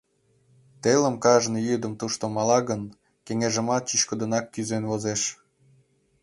Телым кажне йӱдым тушто мала гын, кеҥежымат чӱчкыдынак кӱзен возеш.